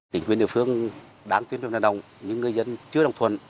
tỉnh quyền địa phương đáng tuyên truyền đồng nhưng người dân chưa đồng thuận